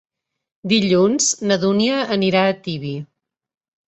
Dilluns na Dúnia anirà a Tibi.